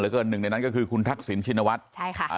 แล้วก็หนึ่งในนั้นก็คือคุณทักษิณชินวัฒน์ใช่ค่ะ